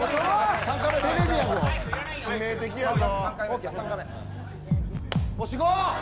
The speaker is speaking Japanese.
致命的やぞ。